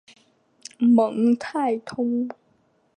蒙泰通。